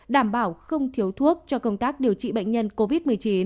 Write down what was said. đảm bảo không thiếu thuốc cho công tác điều trị bệnh nhân covid một mươi chín